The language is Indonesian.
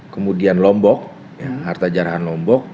kemudian lombok harta jarahan lombok